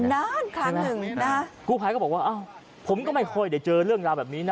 นานครั้งหนึ่งนะฮะกู้ภัยก็บอกว่าอ้าวผมก็ไม่ค่อยได้เจอเรื่องราวแบบนี้นะ